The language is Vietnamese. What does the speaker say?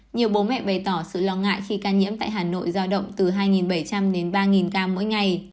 nhiều bố mẹ bày tỏ sự lo ngại khi ca nhiễm tại hà nội giao động từ hai bảy trăm linh đến ba ca mỗi ngày